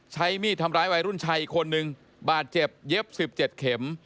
ใช้มีดทำร้ายวัยรุ่นชายอีกคนนึงบาดเจ็บเย็บ๑๗เข็ม